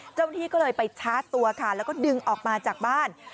เจ้าหน้าที่ก็เลยไปชาร์จตัวค่ะแล้วก็ดึงออกมาจากบ้าน